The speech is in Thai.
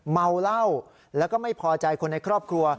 เมาเหล้าแล้วก็ไม่พอใจคนในครอบครัว